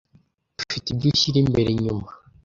Ufite ibyo ushyira imbere inyuma.